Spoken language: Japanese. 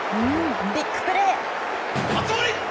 ビッグプレー！